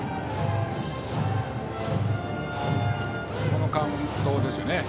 このカウントですよね。